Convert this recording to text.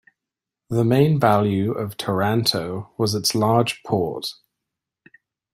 The main value of Taranto was its large port.